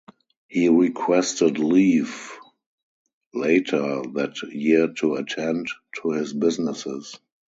He requested leave later that year to attend to his businesses.